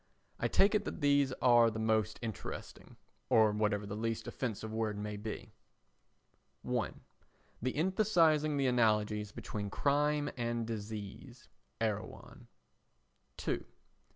I take it that these are the most interesting—or whatever the least offensive word may be: 1. The emphasising the analogies between crime and disease. [Erewhon.] 2.